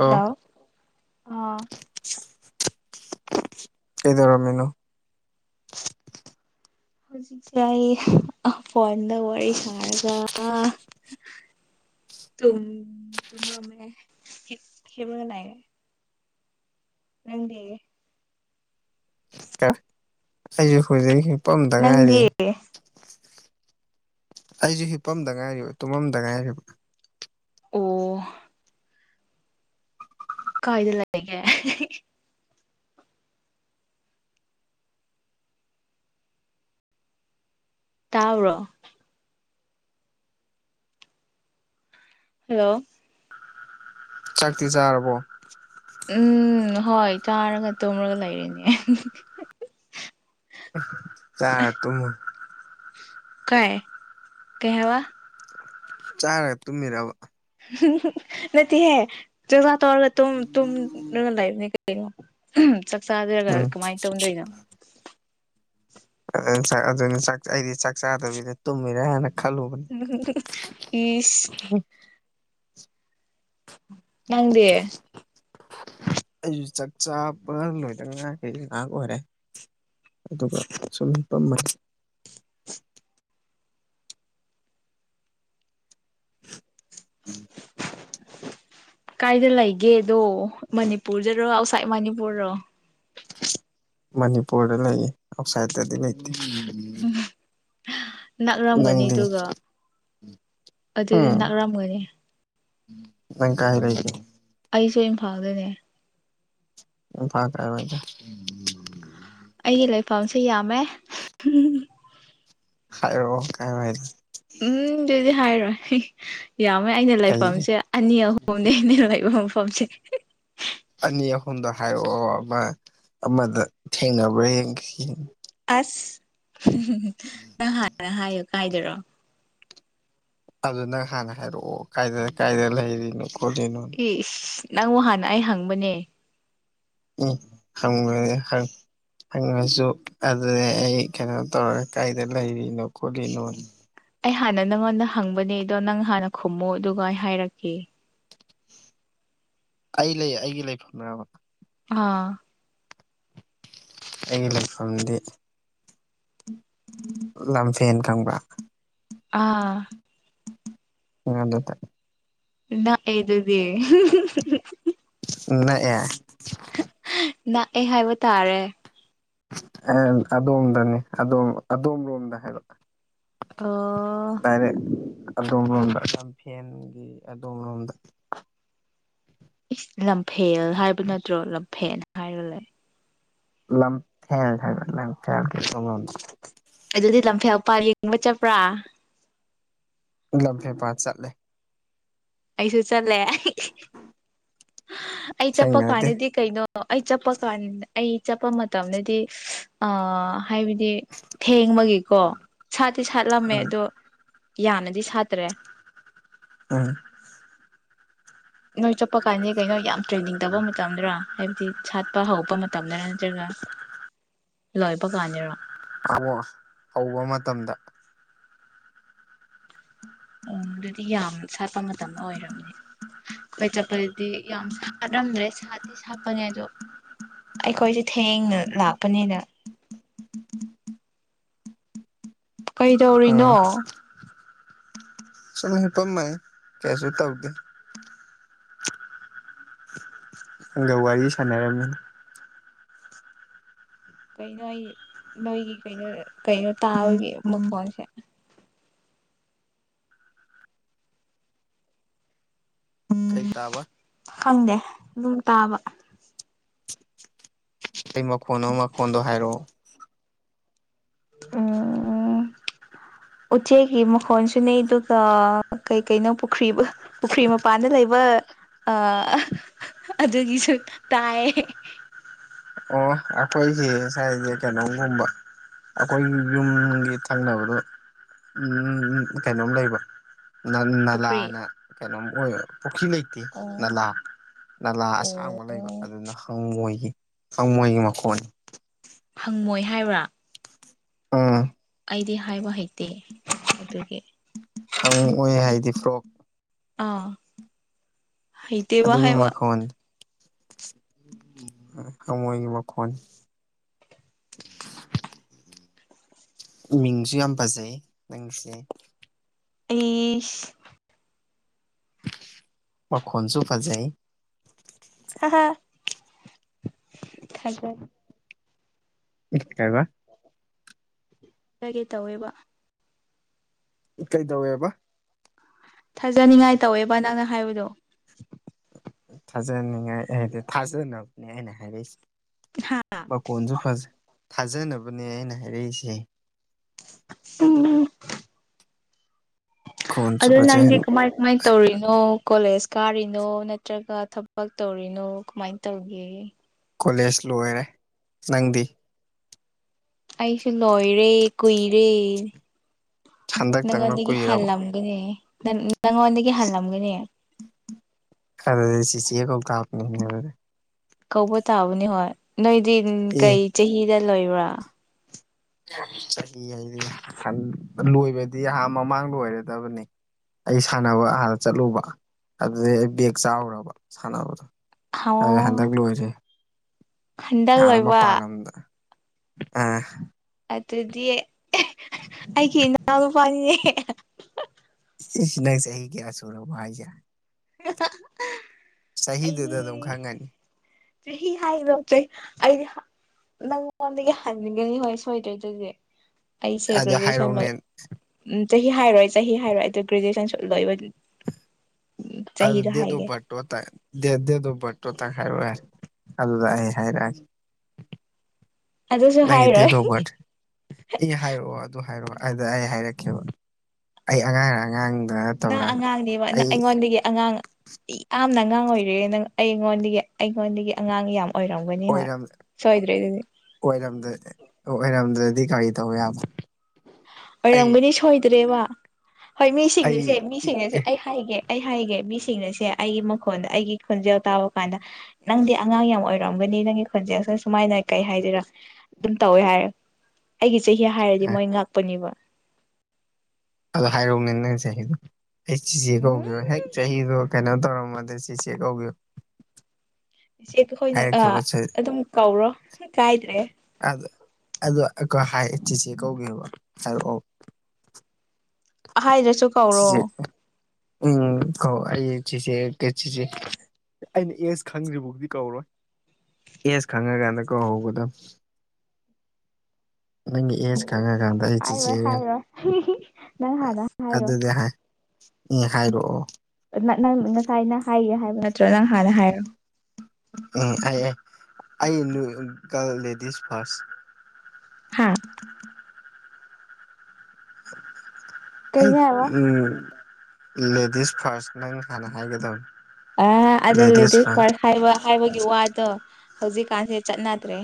ꯑꯣ ꯍꯜꯂꯣ ꯑ ꯀꯗꯔꯣꯃꯤꯅꯣ ꯍꯧꯖꯤꯛꯁꯦ ꯑꯩ ꯐꯣꯟꯗ ꯋꯥꯔꯤ ꯁꯥꯔꯒ ꯇ ꯇ ꯔꯣꯃꯦ ꯍꯦꯕꯨ ꯅꯥꯏꯒꯦ ꯅꯪꯗꯤ ꯑꯩꯁꯨ ꯍꯧꯖꯤꯛꯐꯝꯗ ꯅꯪꯗꯤ ꯉꯥꯏꯔꯤ ꯑꯩꯁꯨ ꯍꯤꯞꯄꯝꯗ ꯉꯥꯏꯔꯤꯕ ꯇꯨꯝꯃꯝꯗ ꯉꯥꯏꯔꯤꯕ ꯑ ꯀꯥꯏꯗ ꯂꯩꯒꯦ ꯇꯥꯎꯔꯣ ꯍꯜꯂꯣ ꯆꯥꯛꯇꯤ ꯆꯥꯔꯕꯣ ꯎꯝ ꯍꯣꯏ ꯆꯥꯔꯒ ꯇꯨꯝꯔꯒ ꯂꯩꯔꯤꯅꯦ ꯀ ꯇꯨ ꯀꯥꯏ ꯀꯩ ꯍꯥꯏꯋꯥ ꯆꯥꯔꯒ ꯇꯨꯝꯃꯤꯔꯕ ꯅ ꯍ ꯆꯁ ꯇꯧꯔꯒ ꯂꯣ ꯎ ꯆꯥꯛ ꯆꯥꯗꯔꯒ ꯎꯝ ꯀꯃꯥꯏꯅ ꯇꯧꯅꯗꯣꯏꯅꯣ ꯑꯗꯨꯅꯤꯥꯛ ꯑꯩꯗꯤ ꯆꯥꯛ ꯆꯥꯗꯕꯤꯗ ꯇꯨꯝꯃꯤꯔꯦ ꯍꯥꯏꯅ ꯈꯜꯂꯨꯕꯅꯤ ꯏꯁ ꯎꯝ ꯅꯪꯗꯤ ꯑꯩꯁꯨ ꯆꯥꯛ ꯆꯥꯕ ꯂꯣꯏꯗꯉꯥꯏꯈ ꯉꯥꯏꯍꯥꯛ ꯑꯣꯏꯔꯦ ꯑꯗꯨꯒ ꯁꯨꯝ ꯄꯝꯃ ꯎꯝ ꯀꯥꯏꯗ ꯂꯩꯒꯦꯗꯣ ꯃꯅꯤꯄꯨꯔꯗꯔꯣ ꯑꯥꯎꯠꯁꯥꯏꯠ ꯃꯅꯤꯄꯨꯔꯔꯣ ꯃꯅꯤꯄꯨꯔꯗ ꯂꯩꯌꯦ ꯑꯥꯎꯠꯁꯥꯏꯠꯇꯗꯤ ꯂꯩꯇꯦ [inaudible] ꯅꯛꯂꯝꯝꯒꯅꯤ ꯅꯪꯗꯤ ꯑꯗꯨꯒ ꯑꯗꯨꯗꯤ ꯎꯝ ꯅꯛꯔꯝꯒꯅꯤ ꯀꯥꯏ ꯔꯁꯤ ꯑꯩꯁꯨ ꯏꯝꯐꯥꯜꯗꯅꯦ ꯎꯝ ꯐ ꯇ꯭ꯔꯦ ꯐꯗꯦ ꯑꯩꯒꯤ ꯂꯩꯐꯝꯁꯦ ꯌꯥꯝꯃꯦ ꯍꯥꯏꯔ ꯀꯥꯏ ꯍꯥꯏꯥꯏ ꯇ ꯎꯝ ꯑꯗꯨꯗꯤ ꯍꯥꯏꯔꯣꯏ ꯌꯥꯝꯃꯦ ꯑꯩꯅ ꯀꯩꯒꯤ ꯂꯩꯐꯝꯁꯦ ꯑꯅꯤ ꯑꯍꯨꯝꯅꯦꯅꯦ ꯂ ꯂꯩꯕ ꯃꯐꯝꯁꯦ ꯑꯅꯤ ꯑꯍꯨꯝꯗꯣ ꯍꯥꯏꯔꯛꯑꯣ ꯑꯃ ꯑꯃꯗ ꯊꯦꯡꯅꯕ꯭ꯔꯥꯡꯒꯡ ꯑꯁ ꯅꯪ ꯍꯥꯟꯅ ꯍꯥꯏꯌꯨ ꯀꯥꯏꯗꯔꯣ ꯑꯗꯨ ꯅꯪ ꯍꯥꯟꯅ ꯍꯥꯏꯔꯛꯑꯣ ꯀꯥꯏꯗ ꯀꯥꯏꯗ ꯂꯩꯔꯤꯅꯣ ꯈꯣꯠꯂꯤꯅꯣ ꯏꯁ ꯅꯪ ꯍꯥꯟꯅ ꯑꯩ ꯍꯪꯕꯅꯦ ꯎꯝ ꯍꯪꯕꯅꯦ ꯍꯪ ꯍꯪꯉꯁꯨ ꯑꯗꯨꯅꯦ ꯑꯩ ꯀꯩꯅꯣ ꯇꯧꯔꯒ ꯀꯥꯏꯗ ꯂꯩꯔꯤꯅꯣ ꯈꯣꯠꯂꯤꯅꯣ ꯑꯩ ꯍꯥꯟꯅ ꯅꯪꯉꯣꯟꯗ ꯍꯪꯕꯅꯦ ꯑꯗꯣ ꯅꯪ ꯍꯥꯟꯅ ꯈꯨꯝꯃꯨ ꯑꯗꯨꯒ ꯑꯩ ꯍꯥꯏꯔꯛꯀꯦ꯫ ꯑꯩ ꯂꯩ ꯑꯩꯒꯤ ꯂꯩꯐꯝꯅ ꯑꯃ ꯑꯥ ꯑꯩꯒꯤ ꯂꯩꯐꯝꯗꯤ ꯂꯝꯐꯦꯟ ꯈꯪꯕ꯭ꯔꯥ ꯑꯥ ꯎꯝ ꯑꯗꯨꯗ ꯅ ꯑꯦ ꯑꯗꯨꯗꯤ ꯅꯥꯀꯑꯥ ꯅꯥꯛꯑꯦ ꯍꯥꯏꯕ ꯇꯥꯔꯦ꯫ ꯑꯦ ꯑꯗꯣꯝꯗꯅꯤ ꯑꯗꯣꯝ ꯂꯣꯝꯗ ꯍꯥꯏꯔꯛꯑꯣ ꯍꯜꯂꯣ ꯗꯥꯥꯏꯔꯦꯛ ꯑꯗꯣꯝ ꯂꯣꯝꯗ ꯂꯝ ꯐꯦꯟꯒꯤ ꯑꯗꯣꯝ ꯂꯣꯝꯗ ꯂꯝꯐꯦꯜ ꯍꯥꯏꯕ ꯅꯠꯇ꯭ꯔꯣ ꯂꯝꯐꯦꯜ ꯍꯥꯏꯔ ꯂꯩ꯫ ꯂꯐꯦ ꯍꯥꯏꯕ ꯂꯐꯂ ꯀꯩꯊꯦꯜ ꯂꯣꯝꯗ ꯑꯗꯨꯗꯤ ꯂꯝꯐꯦꯜ ꯄꯜ ꯌꯦꯡꯕ ꯆꯠꯄ꯭ꯔꯥ ꯂꯝꯐꯦ ꯄꯥꯠ ꯆꯠꯂꯦ꯫ ꯑꯩꯁꯨ ꯆꯠꯂꯦ ꯑꯩ ꯆꯠꯄ ꯊꯦꯡꯅꯗꯦ ꯀꯥꯟꯗꯗꯤ ꯀꯩꯅꯣ ꯑꯩ ꯆꯠꯄ ꯀꯥꯟ ꯑꯩ ꯆꯠꯄ ꯃꯇꯝꯗꯗꯤ ꯑ ꯍꯥꯏꯕꯗꯤ ꯊꯦꯡꯕꯒꯤꯀꯣ ꯁꯥꯠꯇꯤ ꯁꯥꯠꯂꯝꯃꯦ ꯎꯝ ꯑꯗꯣ ꯌꯥꯅꯗꯤ ꯁꯥꯠꯇ꯭ꯔꯦ꯫ ꯑꯥ ꯅꯣꯏ ꯆꯠꯄ ꯀꯥꯟꯗ ꯀꯩꯅꯣ ꯌꯥꯝ ꯇ꯭ꯔꯦꯟꯅꯤꯡ ꯇꯧꯕ ꯃꯇꯝꯗ꯭ꯔ ꯍꯥꯏꯕꯗꯤ ꯁꯥꯠꯄ ꯍꯧꯔꯄ ꯃꯇꯝꯗꯅ ꯅꯠꯇ꯭ꯔꯒ ꯂꯣꯏꯕ ꯀꯥꯟꯗꯔꯣ? ꯑꯕ ꯍꯧꯕ ꯃꯇꯝꯗ ꯑꯣ ꯑꯗꯨꯗꯤ ꯌꯥꯝ ꯁꯥꯠꯄ ꯃꯇꯝ ꯑꯣꯏꯔꯕꯅꯦ꯫ ꯑꯩꯈꯣꯏ ꯆꯄꯗꯤ ꯌꯥꯝ ꯁꯥꯔꯝꯗ꯭ꯔꯦ ꯁꯥꯇꯤ ꯁꯥꯠꯄꯅꯦ ꯑꯗꯣ ꯑꯩꯈꯣꯏꯁꯦ ꯊꯦꯡꯅ ꯂꯥꯛꯄꯅꯤꯅ ꯀꯩꯗꯧꯔꯤꯅꯣ? ꯎꯝ ꯆꯠꯂꯍꯦ ꯄꯨꯝꯍꯩ ꯀꯩꯁꯨ ꯇꯧꯗꯦ꯫ ꯅꯪꯒ ꯋꯥꯔꯤ ꯁꯥꯟꯅꯔꯝꯃꯤ ꯀꯩꯅꯣ ꯑꯩ ꯅꯣꯏꯒꯤ ꯀꯩꯅꯣ ꯀꯩꯅꯣ ꯇꯥꯕꯒꯤ ꯃꯈꯣꯟꯁꯦ ꯀꯩ ꯇꯥꯕ ꯈꯪꯗꯦ ꯑꯗꯨꯨꯝ ꯇꯥꯕ ꯀꯩ ꯃꯈꯣꯟꯅꫭ ꯃꯈꯣꯟꯗꯣ ꯍꯥꯏꯔꯛꯑꯣ [inaudible] [inaudible] ꯎꯆꯦꯛꯒꯤ ꯃꯈꯣꯟꯁꯨꯅꯦ ꯑꯗꯨꯒ ꯀꯩ ꯀꯩꯅꯣ ꯄꯨꯈ꯭ꯔꯤꯕ ꯄꯨꯈ꯭ꯔꯤ ꯃꯄꯥꯟꯗ ꯂꯩꯕ ꯑ ꯑꯗꯨꯒꯤꯁꯨ ꯇꯥꯏ ꯑꯣ ꯑꯩꯈꯣꯏꯁꯦ ꯁꯥꯏꯁꯦ ꯀꯩꯅꯣꯒꯨꯝꯕ ꯑꯩꯈꯣꯏꯒꯤ ꯌꯨꯝꯒꯤ ꯊꯪꯅꯕꯗꯣ ꯎꯝ ꯀꯩꯅꯣꯝ ꯂꯩꯕ꯫ ꯅꯜ ꯄꯨꯈ꯭ꯔꯤ ꯅꯂꯥꯅ ꯀꯩꯅꯣꯝ ꯑꯣꯏ ꯄꯨꯈ꯭ꯔꯤ ꯂꯩꯇꯦ ꯑꯣ ꯅꯂꯥ ꯅꯂꯥ ꯑꯣ ꯑꯁꯥꯡꯕ ꯂꯩꯕ ꯑꯗꯨꯅ ꯍꯪꯉꯣꯏꯒꯤ꯫ ꯍꯪꯉꫭꯏꯒꯤ ꯃꯈꫭꯟꯅꯤ꯫ ꯍꯪꯉꯣꯏ ꯍꯥꯏꯕ꯭ꯔꯥ ꯑꯥ ꯑꯩꯗꯤ ꯍꯥꯏꯕ ꯍꯩꯇꯦ ꯑꯗꯨꯒꯤ ꯍꯪ ꯑꯣꯏ ꯍꯥꯏꯗꯤ ꯐ꯭ꯔꯣꯛ ꯑꯥ ꯍꯩꯇꯦꯕ ꯑꯗꯨꯒꯤ ꯍꯥꯏꯕ ꯃꯈꯣꯟꯜ ꯍꯪꯉꫭꯏꯒꯤ ꯃꯈꯣꯟ ꯃꯤꯡꯁꯨ ꯌꯥꯝ ꯐꯖꯩ ꯅꯪꯁꯦ꯫ ꯑꯩꯁ ꯃꯈꯣꯟꯁꯨ ꯐꯖꯦ ꯍꯥ ꯍꯥ ꯊꯒꯠ ꯏ ꯀꯩꯕ ꯍꯥꯏꯒꯦ ꯇꯧꯋꯦꯕ ꯀꯩꯗꯧꯋꯦꯕ ꯊꯥꯖꯅꯤꯡꯉꯥꯏ ꯇꯧꯋꯦꯕ ꯅꯪꯅ ꯍꯥꯏꯕꯗꯣ ꯊꯥꯖꯅꯤꯡꯉꯥꯏ ꯍꯥꯏꯗꯤ ꯊꯥꯖꯅꯕꯅꯦ ꯑꯩꯅ ꯍꯥꯏꯔꯛꯏꯁꯦ ꯃꯀꯣꯟꯁꯨ ꯐꯖꯩ ꯊꯥꯖꯅꯕꯅꯦ ꯑꯩꯅ ꯍꯥꯏꯔꯛꯏꯁꯦ ꯎꯝ ꯈꯣꯟꯁꯨ ꯑꯗꯨꯗ ꯅꯪꯗꯤ ꯐꯖꯩ ꯀꯃꯥꯏ ꯀꯃꯥꯏ ꯇꯧꯔꯤꯅꯣ ꯀꯣꯂꯦꯖ ꯀꯥꯔꯤꯅꯣ ꯅꯠꯇ꯭ꯔꯒ ꯊꯕꯛ ꯇꯧꯔꯤꯅꯣ ꯀꯃꯥꯏꯅ ꯇꯧꯒꯦ ꯀꯣꯂꯦꯖ ꯂꯣꯏꯔꯦ ꯅꯪꯗꯤ ꯑꯩꯁꯨ ꯂꯣꯏꯔꯦ ꯀꯨꯏꯔꯦ ꯍꯟꯗꯛꯇꯪꯅ ꯅꯪꯉꯣꯟꯗꯒꯤ ꯀꯨꯏꯔꯕ ꯍꯜꯂꯝ ꯅꯦ ꯅꯪ ꯅꯪ ꯑꯣꯗꯗꯒꯤ ꯍꯜꯂꯒꯅꯦ ꯑꯗꯨꯗꯤ ꯆꯤꯆꯦ ꯀꯧꯇꯥꯝꯅꯤꯅꯦ ꯑꯗꯨꯗꯤ ꯀꯧꯕ ꯇꯥꯕꯅꯤ ꯍꯣꯏ ꯅꯣꯏꯗꯤ ꯑꯦ ꯀꯩ ꯆꯍꯤꯗ ꯂꯣꯏꯕ꯭ꯔꯥ ꯆꯍꯤ ꯍꯥꯏꯗꯤ ꯂꯣꯏꯕꯗꯤ ꯑꯍꯥꯟ ꯃꯃꯥꯡ ꯂꯣꯏꯔꯗꯕꯅꯤ ꯑꯩ ꯁꯥꯟꯅꯕ ꯍꯥꯟꯅ ꯆꯠꯂꯨꯕ ꯑꯗꯨꯗꯩ ꯑꯩ ꯕꯦꯒ ꯆꯥꯎꯔꯕ ꯁꯥꯟꯅꯕꯗꯣ ꯑꯣ ꯑꯗꯨ ꯍꯟꯗꯛ ꯂꯣꯏꯁꯦ ꯍꯟꯗꯛ ꯑ ꯂꯣꯏꯕ ꯃꯄꯥꯟꯜꯂꯝꯗ ꯑꯥ ꯑꯗꯨꯗꯤ ꯑꯩꯒꯤ ꯏꯅꯥꯎ ꯅꯨꯄꯥꯅꯤꯅꯦ ꯏꯁ ꯅꯩ ꯆꯍꯤ ꯀꯌꯥ ꯁꯨꯔꯕ ꯍꯥꯏ ꯌꯥ ꯆꯍꯤꯗꯨꯗ ꯑꯩꯗꯤ ꯑꯗꯨꯝ ꯈꯪꯉꯅꯤ ꯆꯍꯤ ꯍꯥꯏꯔꫭ ꯆꯩ ꯑꯩꯕꯤ ꯍ ꯅꯪꯉꯣꯟꯗꯒꯤ ꯍꯟꯅꯤꯡꯒꯅꯤ ꯍꯣꯏ ꯁꯣꯏꯗꯦ ꯑꯗꯨꯗꯤ ꯑꯩꯁꯦ ꯑꯗꯨ ꯒ꯭ꯔꯦꯖꯨꯋꯦꯁꯟ ꯂꯣꯏ ꯍꯥꯏꯔꯛꯎꯅꯦ ꯎ ꯆꯍꯤ ꯍꯥꯏꯔꯣꯏ ꯆꯍꯤ ꯍꯥꯏꯔꯣꯏ ꯑꯗꯨ ꯒ꯭ꯔꯦꯖꯨꯑꯦꯁꯟꯁꯨ ꯂꯣꯏꯕ ꯑꯗꯨ ꯆꯍꯤꯗꯣ ꯗꯦꯠ ꯑꫭꯐ ꯍꯥꯏꯒꯦ ꯕꯥꯏꯠ ꯇꯣ ꯇ ꯗꯦ ꯗꯦ ꯑꫭꯐ ꯚꯥꯠ ꯇꯣ ꯇꯛ ꯍꯥꯏꯥꯏꯔꯣ ꯌꯥꯔꯦ ꯑꯗꯨꯗ ꯑꯩ ꯍꯥꯏꯔꯛꯑꯒꯦ ꯑꯗꯨꯁꯨ ꯅꯪꯗꯤ ꯗꯦꯠ ꯍꯥꯏꯔꯣꯏ ꯑꫭꯐ ꯕꯔꯊ꯭ ꯑꯦ ꯍꯥꯏꯔꯛꯑꯣ ꯑꯗꯨ ꯍꯥꯏꯔꯛꯑꯣ ꯑꯗꯨꯗ ꯑꯩ ꯍꯥꯏꯔꯛꯀꯦꯕ ꯑꯩ ꯑꯉꯥꯡ ꯑꯉꯥꯡꯗ ꯅꯪ ꯅꯠꯇꯕ꯭ꯔꯥꯅ ꯑꯉꯥꯡꯅꯦꯕ ꯅ ꯑꯩ ꯑꯩꯉꯣꯟꯗꯒꯤ ꯑꯉꯥꯡ ꯏ ꯌꯥꯝꯅ ꯑꯉꯥꯡ ꯑꯣꯏꯔꯦ ꯅꯪ ꯑꯩꯉꯣꯟꯗꯒꯤ ꯑꯩꯉꯣꯟꯗꯒꯤ ꯑꯉꯥꯡ ꯌꯥꯝ꯫ ꯑꯣꯏꯔꯝꯒꯅꯤ ꯍꯣꯏ ꯁꯣꯏꯗ꯭ꯔꯦ ꯑꯗꯨꯗꯤ꯫ ꯑꯣꯏꯔꯝꯗꯦ ꯑꯣꯏꯔꯝꯗ꯭ꯔꯗꯤ ꯀꯔꯤ ꯇꯧꯕ ꯌꯥꯕ꯫ ꯑꯩ ꯑꯣꯏꯔꯝꯒꯅꯤ ꯁꯣꯏꯗ꯭ꯔꯦꯕ ꯍꯣꯏ ꯑꯩ ꯃꯤꯁꯤꯡꯅꯁꯦ ꯏ ꯃꯤꯁꯤꯡꯅꯁꯦ ꯑꯦ ꯑꯩ ꯍꯥꯏꯒꯦ ꯑꯩ ꯍꯥꯏꯒꯦ ꯃꯤꯁꯤꯡꯅꯁꯦ ꯑꯩꯒꯤ ꯃꯈꯣꯟꯗ ꯑꯩꯒꯤ ꯈꯣꯟꯖꯦꯜ ꯇꯥꯕ ꯀꯥꯟꯗ ꯅꯪꯗꯤ ꯑꯉꯥꯡ ꯌꯥꯝ ꯑꯣꯏꯔꯝꯒꯅꯤ ꯅꯪꯒꯤ ꯈꯣꯟꯖꯦꯜꯁꯦ ꯁꯨꯃꯥꯏꯅ ꯀꯩ ꯍꯥꯏꯗꯣꯏꯔꯥ꯫ ꯑꯗꯨꯝ ꯇꯧꯋꯦ ꯍꯥꯏꯌꯦ ꯑꯩꯒꯤ ꯆꯍꯤ ꯍꯥꯏꯔꯗꯤ ꯃꯣꯏ ꯉꯥꯛꯄꯅꯤꯕ꯫ ꯑꯗꯣ ꯍꯥꯏꯔꯛꯎꯅꯦ ꯅꯪ ꯆꯍꯤꯗꯣ ꯑꯩ ꯆꯤꯆꯦ ꯎꯝ ꯀꯧꯒꯦꯕ ꯍꯦꯛ ꯆꯍꯤꯗꯣ ꯀꯩꯅꯣ ꯇꯧꯔꯝꯃꯗꯤ ꯆꯤꯆꯦ ꯀꯧꯒꯦ꯫ ꯏꯆꯦ ꯈꯣꯏꯅ ꯑ ꯍꯥꯏꯔꯛꯈꯤꯕ ꯑꯗꯨꯝ ꯀꯧꯔꯣ ꯀꯥꯏꯗ꯭ꯔꯦ꯫ ꯑꯗꯣ ꯑꯗꯣ ꯑꯩꯈꯣꯏ ꯍꯥꯏ ꯆꯤꯆꯦ ꯀꯧꯒꯦꯕ ꯍꯥꯏꯔꯛꯑꯣ꯫ ꯍꯥꯏꯗ꯭ꯔꯁꯨ ꯀꯧꯔꯣ ꯆꯤꯆꯦ ꯎꯝ ꯀꯧ ꯑꯩ ꯆꯤꯆꯦꯗ ꯆꯤꯆꯦ꯫ ꯑꯩꯅ ꯑꯦꯁ ꯈꯪꯗ꯭ꯔꯤꯕꯧꯗꯤ ꯀꯧꯔꯣꯏ꯫ ꯑꯦꯁ ꯈꯪꯉꯀꯥꯟꯗ ꯀꯧꯒꯗꯝ ꯫ ꯅꯪꯒꯤ ꯑꯦꯁ ꯈꯪꯉꯒꯥꯟ꯫ ꯍꯥꯏꯔꯣꯏ ꯍꯥꯏꯔꯣꯏ ꯍꯤ ꯍꯤ ꯑꯗꯨꯗꯤ ꯍꯥꯏ ꯎꯃ ꯍꯥꯏꯔꯛꯑꯣ꯫ ꯅꯅꯪ ꯉꯁꯥꯏꯅ ꯍꯥꯏꯒꯦ ꯍꯥꯏꯕ ꯅꯠꯇ꯭ꯔ ꯅꯪ ꯍꯥꯟꯅ ꯍꯥꯏꯔꯛꯑꯣ ꯫ ꯎꯝ ꯑꯩ ꯑꯩ ꯅꯨ ꯇꯜ ꯂꯦꯗꯤꯁ ꯐꯥꯔꯁ꯫ ꯍꯥꯥ [unintelligible] ꯍꯩ ꯀꯩꯅꯣ ꯍꯥꯏꯕ ꯎꯝ ꯂꯦꯗꯤꯁ ꯐꯥꯔꯁ ꯅꯪ ꯍꯥꯟꯅ ꯍꯥꯏꯒꯗꯧꯅꯦ꯫ ꯑ ꯑꯗꯣ ꯂꯦꯗꯤꯁ ꯐꯥꯔꯁ ꯍꯥꯏꯕ ꯍꯥꯏꯕꯒꯤ ꯋꯥꯗꯣ ꯍꯧꯖꯤꯛꯀꯥꯟꯁꯦ ꯆꯠꯅꯗ꯭ꯔꯦ꯫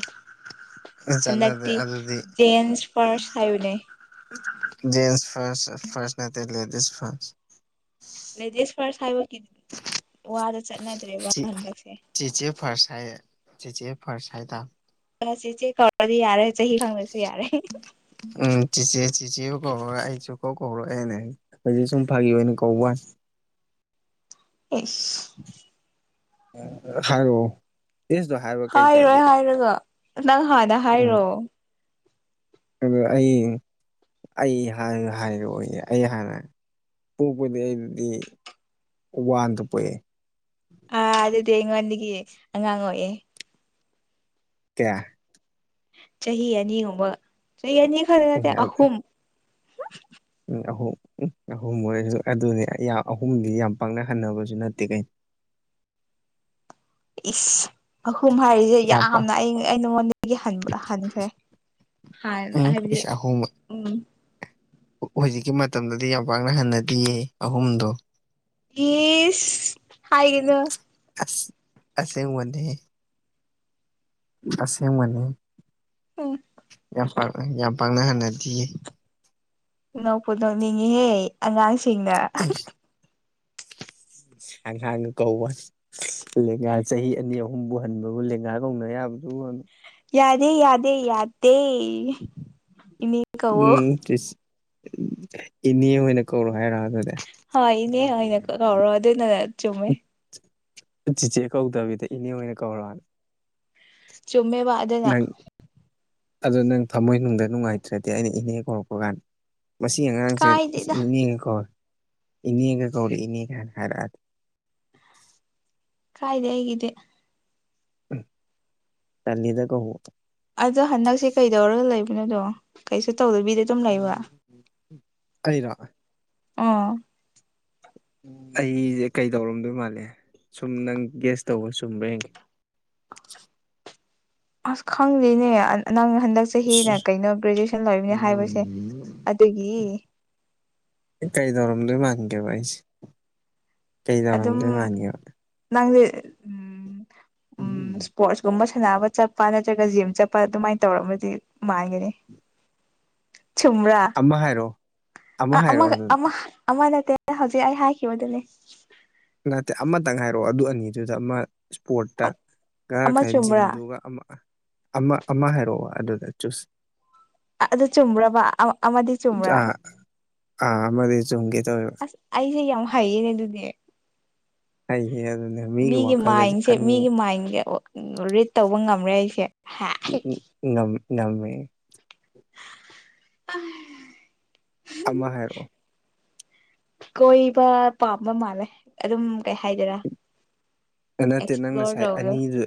ꯆꯠꯅꯗꯦ ꯍꯟꯗꯛꯇꯤ ꯖꯦꯟꯁ ꯐꯥꯔꯁ ꯍꯥꯏꯕꯅꯦ꯫ ꯖꯦꯟꯁ ꯐꯥꯔꯁ ꯐꯥꯔꯁ ꯅꯠꯇ ꯂꯦꯗꯤꯁ ꯐꯥꯔꯁ ꯫ ꯂꯦꯗꯤꯁ ꯐꯥꯔꯁ ꯍꯥꯏꯕꯒꯤ ꯋꯥꯗꯨ ꯆꯠꯅꯗ꯭ꯔꯦꯕ ꯍꯟꯗꯛꯁꯦ꯫ ꯆꯤꯆꯦ ꯐꯥꯔꯁ ꯍꯥꯏꯦ ꯆꯤꯆꯦ ꯐꯔꯁ ꯍꯥꯏ ꯇꯥꯝꯅꯤ꯫ ꯑꯗꯨꯅ ꯆꯤꯆꯦ ꯀꯧꯔꯁꯨ ꯌꯥꯔꯦ ꯆꯍꯤ ꯈꯪꯗꯁꯨ ꯌꯥꯔꯦ꯫ ꯎꯝ ꯆꯤꯆꯦ ꯆꯤꯆꯦꯕꯨ ꯀꯧꯔꯔꯣꯏ ꯑꯩ ꯁꯨꯨꯀꯧ ꯀꯧꯔꯔꯣꯏꯅꯦ꯫ ꯍꯧꯖꯤꯛ ꯁꯨꯝ ꯐꯥꯒꯤ ꯑꯣꯏꯅ ꯀꯧꯋꯥꯅꯤ ꯫ ꯑꯦꯁ ꯎꯝ ꯍꯥꯏꯔꯛꯑꯣ ꯑꯦꯁ ꯇꯣ ꯍꯥꯏꯔꯣ꯫ ꯍꯥꯏꯔꯣꯏ ꯍꯥꯏꯔꯒ ꯅꯪ ꯍꯥꯟꯗ ꯍꯥꯏꯔꯣ ꯫ ꯑꯗꯨꯒ ꯑꯩ ꯑꯃꯨꯛ꯫ ꯑꯩ ꯍꯥꯟꯅ ꯍꯥꯏꯌꯣꯌꯦ ꯑꯩ ꯍꯥꯟꯅ ꯄꯣꯛꯄꯗꯤ ꯑꯩꯗꯤ ꯋꯥꯟꯗ ꯄꯣꯛꯑꯦ꯫ ꯑꯥ ꯑꯗꯨꯗꯤ ꯑꯩꯉꯣꯟꯗꯒꯤ ꯑꯉꯥꯡ ꯑꯣꯏꯌꯦꯦ꯫ ꯀꯌꯥ ꯆꯍꯤ ꯑꯅꯤꯒꯨꯝꯕ ꯆꯍꯤ ꯑꯅꯤ ꯈꯔꯗ ꯑꯍꯨꯝ꯫ ꯎꯝ ꯑꯍꯨꯝ ꯎꯝ ꯑꯍꯨꯝ ꯑꯣꯏꯔꯁꯨ ꯑꯗꯨꯅꯤ ꯑꯩ ꯌꯥꯝ ꯑꯍꯨꯝꯗꯨꯗꯤ ꯌꯥꯝ ꯄꯥꯛꯅꯍꯟꯅꯕꯁꯨ ꯅꯠꯇꯦ ꯀꯩꯅꯣ꯫ ꯏꯁ ꯑꯍꯨꯝ ꯍꯥꯏꯔꯤꯁꯦ ꯌꯥꯝ ꯄꯥꯛ ꯌꯥꯝꯅ ꯑꯩ ꯑꯩ ꯅꯉꯣꯟꯗꯒꯤ ꯍꯟ ꯍꯟꯈ꯭ꯔꯦ꯫ ꯍꯥꯏ ꯎꯝ ꯍꯥꯏꯕꯗꯤ ꯏꯁ ꯑꯍꯨꯝ ꯎꯝ꯫ ꯍꯧꯖꯤꯛꯀꯤ ꯃꯇꯝꯗꯗꯤ ꯌꯥꯝ ꯄꯥꯛꯅ ꯍꯟꯅꯗꯤꯌꯦ ꯑꯍꯨꯝꯗꯣ꯫ ꯏꯁ ꯍꯥꯏꯒꯅꯣ꯫ ꯑꯁ ꯑꯁꯦꯡ ꯋꯥꯅꯦ ꯑꯁꯦꯡꯕꯅꯤ ꯎꯝ ꯌꯥꯝ ꯄꯥꯡꯅꯍꯟꯅꯗꯤꯌꯦ ꯅꯣꯛꯄꯨ ꯅꯣꯛꯅꯤꯡꯉꯤꯍꯦ ꯑꯉꯥꯡꯁꯤꯡꯅ ꯎ [unintelligible] ꯀꯧꯕꯁ ꯂꯦꯡꯒꯥ ꯆꯍꯤ ꯑꯅꯤ ꯑꯍꯨꯝꯕꯨ ꯍꯟꯕꯕꯨ ꯂꯦꯡꯒꯥ ꯀꯧꯅ ꯌꯥꯕꯗꯨ ꯌꯥꯗꯦ ꯌꯥꯗꯦ ꯌꯥꯗꯦ ꯏ ꯎꯝ ꯏꯅꯦ ꯑꯣꯏꯅ ꯀꯧꯔꯣ ꯍꯥꯏꯔꯛ ꯑꯗꯨꯗ ꯍ ꯏꯅꯦ ꯑꯩꯅ ꯀꯧꯔꯣ ꯑꯗꯨ ꯅ ꯆꯨꯝꯃꯦ ꯆꯤꯆꯦ ꯀꯧꯗꯕꯤꯗ ꯏꯅꯦ ꯑꯣꯏꯅ ꯀꯧꯔꯛꯅꯤ ꯆꯨꯝꯃꯦ ꯋꯥꯗꯅ ꯑꯗꯣ ꯅꯪ ꯊꯝꯃꯣꯏꯅꯨꯡꯗ ꯅꯨꯡꯉꯥꯏꯇ꯭ꯔꯗꯤ ꯑꯩꯅ ꯏꯅꯦꯦꯛ ꯍꯧꯧꯔꯛꯄ ꯀꯥꯟꯗ ꯃꯁꯤ ꯑꯉꯥꯡꯁꯦ ꯑꯁ ꯀꯥꯏꯗꯦꯗ ꯏꯅꯦꯒ ꯀꯧꯔꯦ ꯏꯅꯦꯒ ꯀꯧꯔꯦ ꯏꯅꯦ ꯀꯥꯏꯅ ꯍꯥꯏꯔꯛꯑꯗꯤꯦ ꯀꯥꯏꯗꯦ ꯍꯦꯒꯗꯦ ꯎ ꯇꯂꯗ ꯀ ꯍ ꯑꯗꯣ ꯍꯟꯗꯛꯁꯦ ꯀꯩꯗꯧꯔꯒ ꯂꯩꯕꯅꯣꯗꯣ ꯀꯩꯁꯨ ꯇꯧꯗꯕꯤꯗ ꯑꯗꯨꯝ ꯂꯩꯕ ꯎꯝ ꯀꯩꯔꯥꯛ ꯑ ꯑꯩꯁꯦ ꯀꯩ ꯇꯧꯔꯝꯗꯣꯏ ꯃꯥꯜꯂꯦ ꯁꯨꯝ ꯅꯪ ꯒ꯭ꯦꯁ ꯇꯧꯕ ꯆꯨꯝꯕ꯭ꯔꯥ ꯍꯡꯒꯦ ꯑꯁ ꯈꯪꯗꯦꯅꯦ ꯅꯪ ꯍꯟꯗꯛꯁꯦ ꯆꯍꯤꯅ ꯀꯩꯅꯣ ꯒ꯭ꯔꯦꯖꯨꯌꯦꯁꯟ ꯂꯧꯃꯤꯅꯤ ꯍꯥꯏꯕꯁꯦ ꯎꯝ ꯑꯗꯨꯒꯤ ꯀꯩ ꯗꯧꯔꯝꯗꯣ ꯃꯥꯥꯡꯒꯦꯕ ꯑꯩꯁꯤ ꯑꯗꯨꯝ ꯅꯪꯗꯤ ꯎꯝ ꯎꯝ ꯎꯝ ꯏꯁꯄꯣꯔꯠꯁꯀꯨꯝꯕ ꯁꯥꯟꯅꯕ ꯆꯠꯄ ꯅꯠꯇ꯭ꯔꯒ ꯖꯤꯝ ꯆꯠꯄ ꯑꯗꯨꯃꯥꯏꯅ ꯇꯧꯔꯒꯗꯤ ꯃꯥꯟꯒꯅꯤ ꯆꯨꯝꯕ꯭ꯔꯥ ꯑꯃ ꯍꯥꯏꯔꯛꯑꯣ ꯑꯃ ꯍꯥꯏꯔꯛꯑꯣ ꯑꯃꯒ ꯑꯗꯨꯗ ꯑꯃ ꯑꯃꯅꯠꯇ ꯅꯍꯧꯖꯤꯛ ꯑꯩ ꯍꯥꯏꯈꯤꯕꯗꯨꯅꯦ ꯅꯠꯇꯦ ꯑꯃꯇꯪ ꯍꯥꯏꯔꯛꯑꯣ ꯑꯗꯨ ꯑꯅꯤꯗꯨꯗ ꯑꯃ ꯏꯁꯄꯣꯔꯠꯇ ꯉꯔꯥꯡ ꯑꯃ ꯈꯔ ꯆꯨꯝꯕ꯭ꯔꯥ ꯖꯤꯝꯗꯨꯒ ꯑꯃꯛ ꯑꯃ ꯑꯃ ꯍꯥꯏꯔꯛꯑꯣ ꯑꯗꯨꯗ ꯆꯨꯁ ꯑꯗꯨ ꯆꯨꯝꯕ꯭ꯔꯕ ꯑꯃꯗꯤ ꯆꯨꯝꯕ꯭ꯔꯥ ꯑꯥ ꯑꯥ ꯑꯃꯗꯤ ꯆꯨꯝꯒꯦ ꯇꯧꯋꯦꯕ ꯑꯁ ꯑꯩꯁꯦ ꯌꯥꯝ ꯍꯩꯌꯦꯅꯦ ꯑꯗꯨꯗꯤ ꯑꯩꯁꯦ ꯑꯗꯨꯅꯦ ꯃꯤꯒꯤ ꯋꯥꯈꯜꯒꯁꯦ ꯃꯥꯏꯟꯁꯦ ꯈꯟ ꯃꯤꯒꯤ ꯃꯥꯏꯟꯁꯦ ꯔꯤꯠ ꯇꯧꯕ ꯉꯝꯔꯦ ꯑꯩꯁꯦ ꯍꯥ ꯉꯝ ꯉꯝꯃꯦ [unintelligible] ꯑꯃ ꯍꯥꯏꯔꯛꯑꯣ ꯀꯣꯏꯕ ꯄꯥꯝꯕ ꯃꯥꯜꯂꯦ ꯑꯗꯨꯝ ꯀꯩ ꯍꯥꯏꯗꯔꯥ ꯅꯠꯇꯦ ꯅꯪ ꯉꯁꯥꯏ ꯇꯧꯕꯗꯣ ꯑꯅꯤꯗꯨ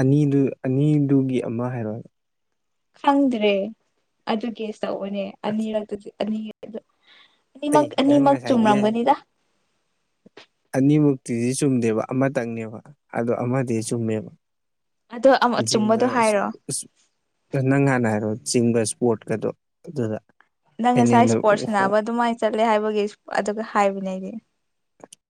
ꯑꯅꯤꯗꯨ ꯑꯅꯤꯗꯨꯒꯤ ꯑꯃ ꯍꯥꯏꯔꯣ ꯈꯪꯗ꯭ꯔꯦ ꯑꯗꯨꯒꯤꯁꯤ ꯇꯧꯕꯅꯦ ꯑꯅꯤꯔꯛꯇꯗꯤ ꯑꯅꯤ ꯑꯩ ꯑꯅꯤꯃꯛ ꯅꯪ ꯑꯅꯤꯃꯛ ꯉꯁꯥꯏꯒꯤ ꯆꯨꯝꯔꯝꯒꯅꯤꯗ ꯑꯅꯤꯃꯨꯛꯇꯤꯗꯤ ꯆꯨꯝꯗꯦꯕ ꯑꯃꯇꯪꯅꯦꯕ ꯑꯗꯣ ꯑꯃꯗꯤ ꯆꯨꯝꯃꯦꯕ ꯑꯗꯣ ꯖꯤꯝꯒ ꯑꯆꯨꯝꯕꯗꯣ ꯍꯥꯏꯔꯣꯑꯣ ꯅꯪ ꯍꯥꯟꯅ ꯍꯥꯏꯔꯣ ꯆꯤꯡꯕ ꯏꯁꯄꯣꯔꯠꯀꯗꯣ ꯑꯗꯨꯗ ꯅꯪ ꯑꯩꯅ ꯉꯁꯥꯏ ꯏꯁꯄꯣꯔꯠꯁ ꯁꯅꯕ ꯑꯗꯨꯃꯥꯏꯅ ꯆꯠꯂꯦ ꯍꯥꯏꯕꯒꯤ ꯑꯗꯨꯒ ꯍꯥꯏꯕꯅꯦ ꯑꯩꯗꯤ